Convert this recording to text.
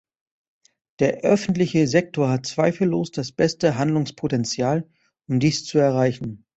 Der öffentliche Sektor hat zweifellos das beste Handlungspotenzial, um dies zu erreichen.